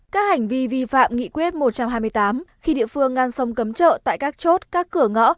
các hành vi vi phạm nghị quyết một trăm hai mươi tám khi địa phương ngăn sông cấm chợ tại các chốt các cửa ngõ